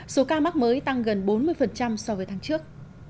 số ca mắc mới tăng gần bốn mươi so với tháng trước